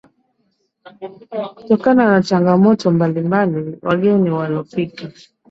kutokana na changamoto mbalimbali Wageni walofika